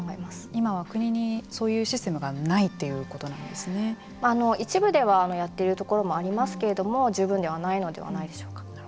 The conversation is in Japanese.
今は国にそういうシステムがないということ一部ではやっているところもありますけれども十分ではないのではないでしょうか。